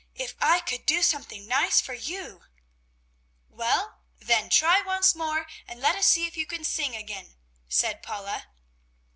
If I could do something nice for you!" "Well, then try once more and let us see if you can sing again!" said Paula.